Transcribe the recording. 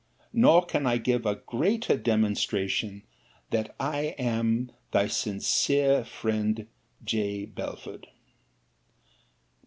Nor can I give a greater demonstration, that I am Thy sincere friend, J. BELFORD.